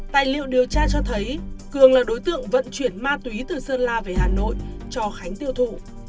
tài liệu điều tra cho thấy cường là đối tượng vận chuyển ma túy từ sơn la về hà nội cho khánh tiêu thụ